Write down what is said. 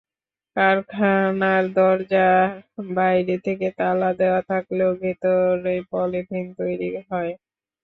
কারখানার দরজা বাইরে থেকে তালা দেওয়া থাকলেও ভেতরে পলিথিন তৈরি হয়।